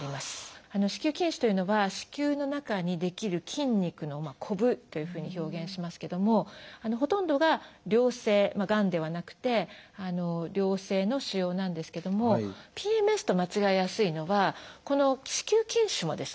子宮筋腫というのは子宮の中に出来る筋肉のこぶというふうに表現しますけどもほとんどが良性がんではなくて良性の腫瘍なんですけどもＰＭＳと間違えやすいのはこの子宮筋腫もですね